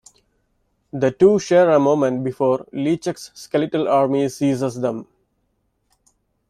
The two share a moment before LeChuck's skeletal army seizes them.